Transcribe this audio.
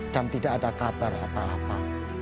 dan tidak ada kabar apa apa